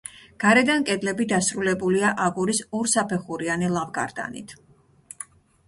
გარედან კედლები დასრულებულია აგურის ორსაფეხურიანი ლავგარდანით.